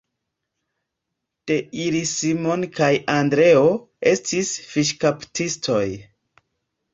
De ili Simon kaj Andreo estis fiŝkaptistoj.